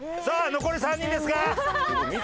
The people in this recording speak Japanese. さあ残り３人ですが。